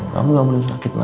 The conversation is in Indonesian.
kamu gak boleh sakit pak